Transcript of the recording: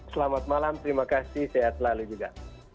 selamat malam terima kasih sehat selalu juga